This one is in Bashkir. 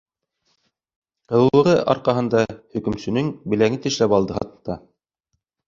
Ҡыҙыулығы арҡаһында хокөмсөнөң беләген тешләп алды, хатта.